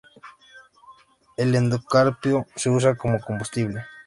El endocarpio se usa como combustible.